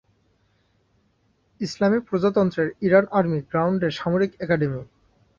ইসলামী প্রজাতন্ত্রের Iran army গ্রাউন্ডের সামরিক একাডেমী।